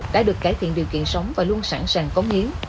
đã được cải thiện điều kiện sống và luôn sẵn sàng cống hiến